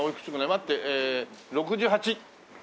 待ってええ６８。